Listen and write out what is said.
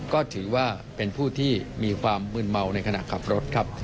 ก็ถือว่าเป็นผู้ที่มีความมืนเมาในขณะขับรถครับ